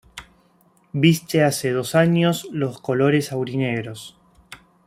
Viste hace dos años los colores aurinegros.